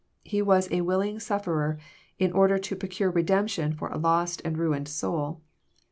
He was a willing Sufferer in order to pro cure redemption for a lost and ruined soul.